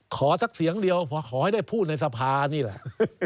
สักเสียงเดียวพอขอให้ได้พูดในสภานี่แหละ